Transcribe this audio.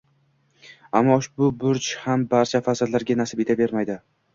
Ammo ushbu burch ham barcha farzandlarga nasib etavermaydi.